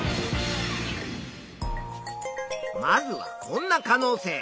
まずはこんな可能性。